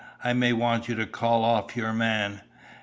"I may want you to call off your man.